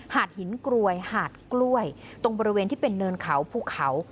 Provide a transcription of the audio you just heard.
หินกรวยหาดกล้วยตรงบริเวณที่เป็นเนินเขาภูเขา